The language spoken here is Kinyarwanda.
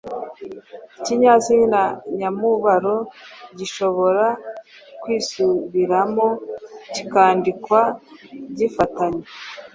Ikinyazina nyamubaro gishobora kwisubiramo, kikandikwa gifatanye.